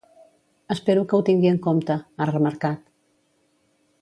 Espero que ho tingui en compte, ha remarcat.